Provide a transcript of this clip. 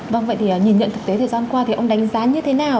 vâng vậy thì nhìn nhận thực tế thời gian qua thì ông đánh giá như thế nào